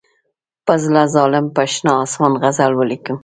په زړه ظالم پر شنه آسمان غزل ولیکم.